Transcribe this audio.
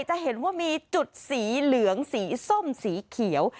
จะเห็นว่ามีจุดสีเหลืองสีส้มสีเขียว